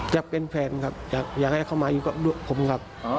จะเป็นแฟนครับอยากให้เขามาอยู่กับผมครับ